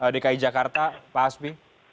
dki jakarta pak hasbi